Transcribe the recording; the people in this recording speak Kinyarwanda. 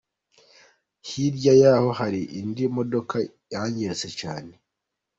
Hirya yaho hari indi modoka yangiritse cyane.